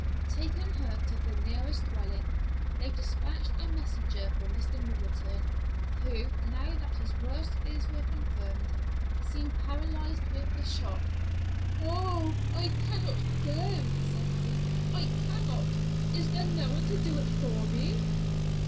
Taking her to the nearest dwelling, they dispatched a messenger for Mr. Middleton, who, now that his worst fears were confirmed, seemed paralyzed with the shock. "Oh, I cannot go!" said he, "I cannot. Is there no one to do it for me?"